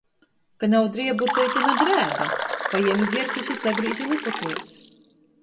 Ka nav driebu, to ite na drēbe! Pajiemi dzirklis i sagrīzi lupotuos!